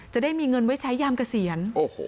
จะได้มีเงินไว้ใช้ยามกระเสียนโอ้โห